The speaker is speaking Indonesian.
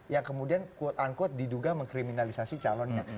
yang kemudian diduga mengkriminalisasi calonnya